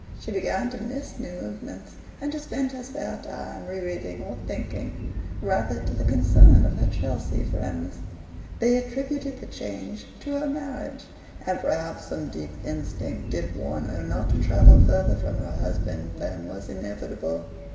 She began to "miss" new movements, and to spend her spare time re reading or thinking, rather to the concern of her Chelsea friends. They attributed the change to her marriage, and perhaps some deep instinct did warn her not to travel further from her husband than was inevitable.